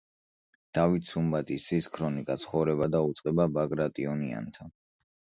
დავით სუმბატის ძის ქრონიკა, „ცხოვრება და უწყება ბაგრატონიანთა“